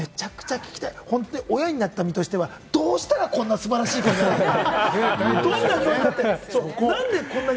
親になった身としては、どうしたらこんな素晴らしい子になるのか。